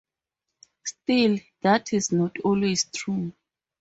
Still, that is not always true.